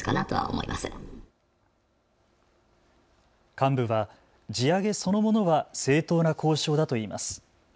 幹部は地上げそのものは正当な交渉だといいます。